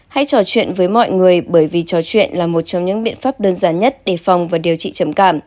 hãy trò chuyện với mọi người bởi vì trò chuyện là một trong những biện pháp đơn giản nhất để phòng và điều trị trầm cảm